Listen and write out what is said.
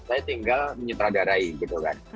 saya tinggal menyutradarai gitu kan